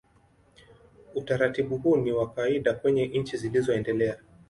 Utaratibu huu ni wa kawaida kwenye nchi zilizoendelea.